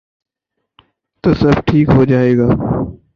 تو سب ٹھیک ہو جائے گا۔